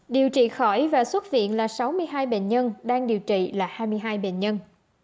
điều trị khỏi và xuất viện là sáu mươi hai bệnh nhân đang điều trị là hai mươi hai bệnh nhân